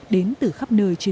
đến từ khắp nơi trên thế giới